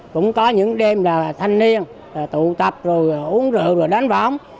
cũng có những đêm là thanh niên tụ tập rồi uống rượu rồi đánh bóng